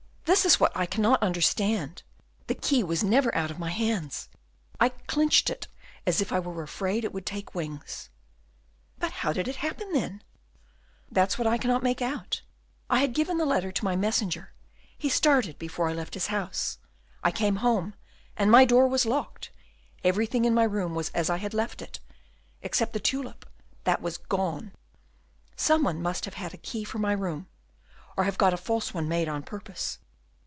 this is what I cannot understand. The key was never out of my hands; I clinched it as if I were afraid it would take wings." "But how did it happen, then?" "That's what I cannot make out. I had given the letter to my messenger; he started before I left his house; I came home, and my door was locked, everything in my room was as I had left it, except the tulip, that was gone. Some one must have had a key for my room, or have got a false one made on purpose."